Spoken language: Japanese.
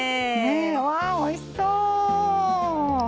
わー、おいしそう。